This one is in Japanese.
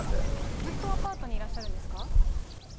ずっとアパートにいらっしゃるんですか？